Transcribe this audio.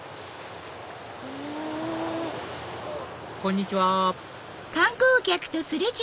こんにちは